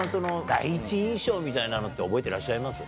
第一印象みたいなのって覚えていらっしゃいます？